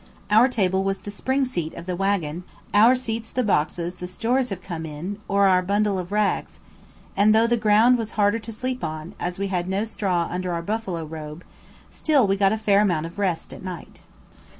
Our table was the spring seat of the waggon, our seats the boxes; the stores have come in, or our bundle of rugs; and though the ground was harder to sleep on, as we had no straw under our buffalo robe, still we got a fair amount of rest at night.